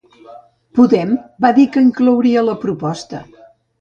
Podem va dir que inclouria la proposta